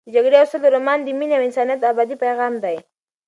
د جګړې او سولې رومان د مینې او انسانیت ابدي پیغام دی.